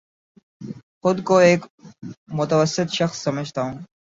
خود کو ایک متوسط شخص سمجھتا ہوں